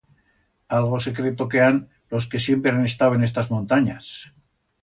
Algo secreto que han los que siempre han estau en estas montanyas.